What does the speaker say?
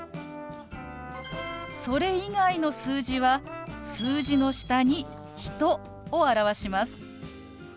それ以外の数字は数字の下に「人」を表します。